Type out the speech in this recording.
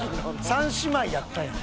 三姉妹やったやん。